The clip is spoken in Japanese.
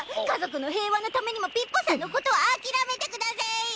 家族の平和のためにもピッポさんのことは諦めてくだせい！